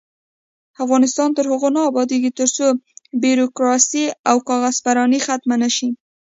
افغانستان تر هغو نه ابادیږي، ترڅو بیروکراسي او کاغذ پراني ختمه نشي.